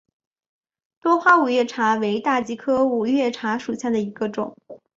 多花五月茶为大戟科五月茶属下的一个种。